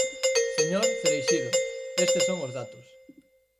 Señor Cereixido, estes son os datos.